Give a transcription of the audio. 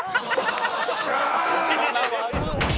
よっしゃー！